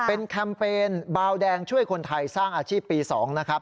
เป็นแคมเปญบาวแดงช่วยคนไทยสร้างอาชีพปี๒นะครับ